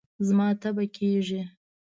زما تبه کېږي